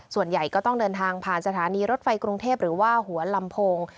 ส่วนใหญ่ก็ต้องเดินทางผ่านสถานีรถไฟกรุงเทพหรือว่าหัวลำโพง